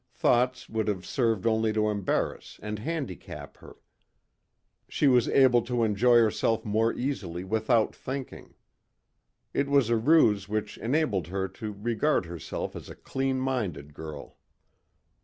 Thoughts would have served only to embarrass and handicap her. She was able to enjoy herself more easily without thinking. It was a ruse which enabled her to regard herself as a clean minded girl.